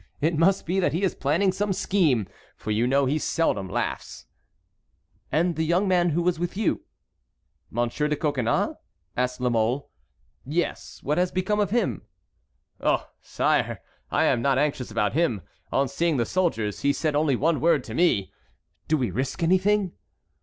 It must be that he is planning some scheme, for you know he seldom laughs." "And the young man who was with you?" "Monsieur de Coconnas?" asked La Mole. "Yes; what has become of him?" "Oh! sire, I am not anxious about him. On seeing the soldiers he said only one word to me: 'Do we risk anything?'